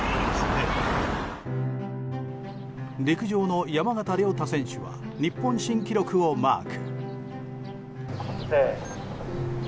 陸上の山縣亮太選手は日本新記録をマーク。